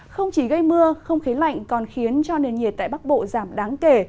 không chỉ gây mưa không khí lạnh còn khiến cho nền nhiệt tại bắc bộ giảm đáng kể